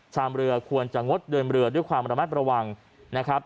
ชามเรือควรจะงดเดินเรือด้วยความระมัดระวังนะครับ